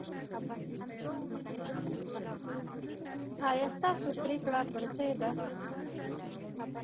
ایا ستاسو پریکړې پر ځای دي؟